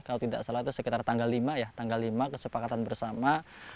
kalau tidak salah itu sekitar tanggal lima ya tanggal lima kesepakatan bersama